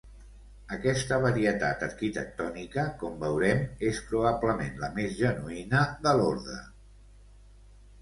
Aquesta varietat arquitectònica, com veurem, és probablement la més genuïna de l'orde.